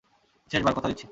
শেষবার, কথা দিচ্ছি।